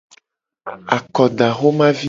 Akodaxomavi.